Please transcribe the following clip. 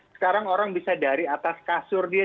sekarang orang bisa dari atas kasur dia